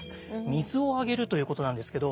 「水をあげる」ということなんですけど。